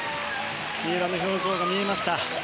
三浦の表情が見えました。